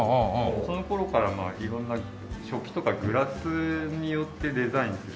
その頃からまあ色んな食器とかグラスによってデザインする。